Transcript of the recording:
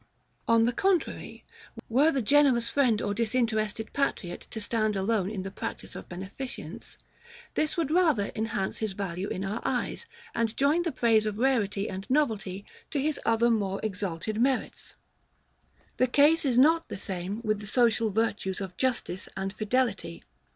On the contrary, were the generous friend or disinterested patriot to stand alone in the practice of beneficence, this would rather enhance his value in our eyes, and join the praise of rarity and novelty to his other more exalted merits. The case is not the same with the social virtues of justice and fidelity.